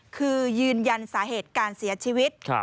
คือยืนยันสาเหตุการเสียชีวิต